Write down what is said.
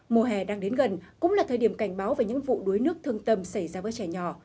mùa hè đang đến gần cũng là thời điểm cảnh báo về những vụ đuối nước thương tâm xảy ra với trẻ nhỏ